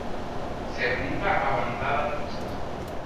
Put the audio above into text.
Se junta a bandadas mixtas.